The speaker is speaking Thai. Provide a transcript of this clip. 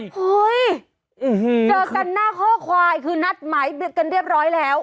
เฮ้ยเจอกันหน้าข้อควายคือนัดหมายกันเรียบร้อยแล้ว